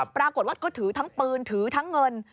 ปรากฏว่าก็ถือทั้งปืนถือทั้งเงิน